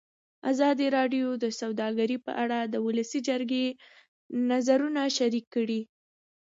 ازادي راډیو د سوداګري په اړه د ولسي جرګې نظرونه شریک کړي.